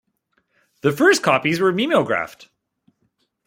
The first copies were mimeographed.